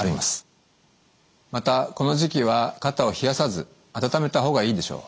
またこの時期は肩を冷やさず温めた方がいいでしょう。